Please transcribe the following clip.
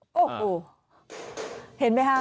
โอ้โหเห็นไหมคะ